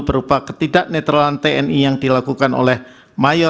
berupa ketidakneutralan tni yang dilakukan oleh mayor